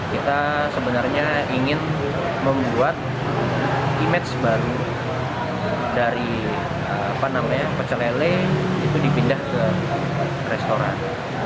kita sebenarnya ingin membuat image baru dari pecelele itu dipindah ke restoran